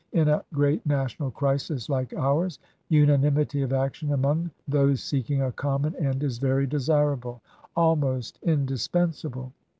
In a great National crisis like ours unanimity of action among those seeking a common end is very desirable — almost indispensable.